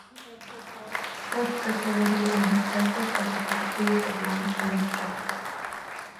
Such fertility on the surface of the plateaus of limestone strata.